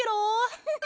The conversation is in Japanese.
ウフフフ。